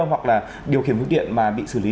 hoặc là điều khiển hướng điện mà bị xử lý